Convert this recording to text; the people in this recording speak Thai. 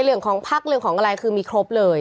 เรื่องของพักเรื่องของอะไรคือมีครบเลย